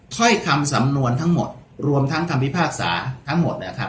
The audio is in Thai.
ถ้อยคำสำนวนทั้งหมดรวมทั้งความวิภาคสาทั้งหมด